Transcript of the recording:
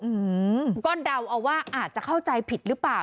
อืมก็เดาเอาว่าอาจจะเข้าใจผิดหรือเปล่า